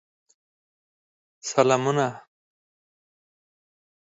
سلامونه.